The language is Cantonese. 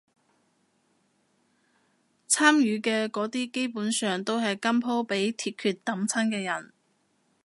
參與嘅嗰啲基本上都係今鋪畀鐵拳揼親嘅人